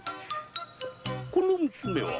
この娘は？